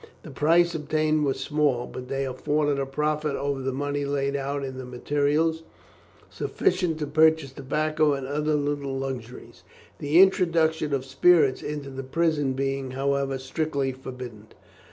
The prices obtained were small, but they afforded a profit over the money laid out in materials, sufficient to purchase tobacco and other little luxuries the introduction of spirits into the prison being, however, strictly forbidden.